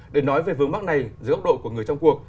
để nói về vướng mắt này dưới ốc độ của người trong cuộc